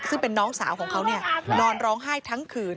ซึ่งเป็นน้องสาวของเขานอนร้องไห้ทั้งคืน